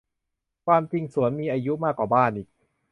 ความจริงสวนมีอายุมากกว่าบ้านอีก